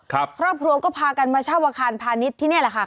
ครอบครัวก็พากันมาเช่าอาคารพาณิชย์ที่นี่แหละค่ะ